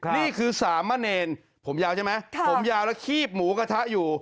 นี่คือสามะเนรผมยาวใช่ไหมผมยาวแล้วคีบหมูกระทะอยู่